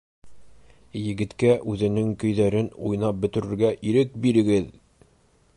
— Егеткә үҙенең көйҙәрен уйнап бөтөрөргә ирек бирегеҙ!!!